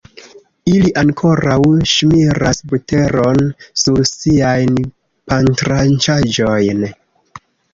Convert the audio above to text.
Ili ankoraŭ ŝmiras buteron sur siajn pantranĉaĵojn.